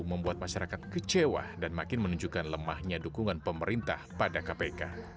membuat masyarakat kecewa dan makin menunjukkan lemahnya dukungan pemerintah pada kpk